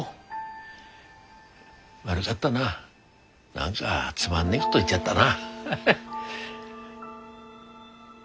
何かつまんねえこと言っちゃったな。